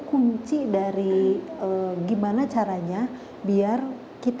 akan mengungkapkan niat